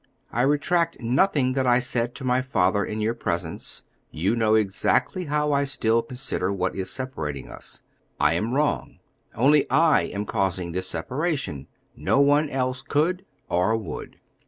I retract nothing that I said to my father in your presence; you know exactly how I still consider what is separating us. I am wrong. Only I am causing this separation; no one else could or would.